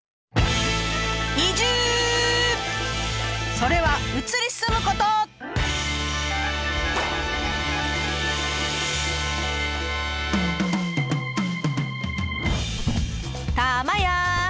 それはたまや！